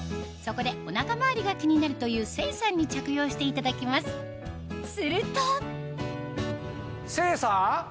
そこでお腹周りが気になるという清さんに着用していただきますすると清さん！